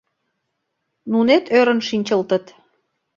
Нунет ӧрын шинчылтыт.